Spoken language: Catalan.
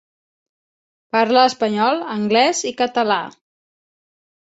Parla espanyol, anglès i català.